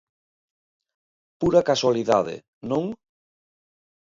Pura casualidade, non?